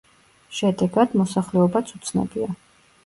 შედეგად, მოსახლეობაც უცნობია.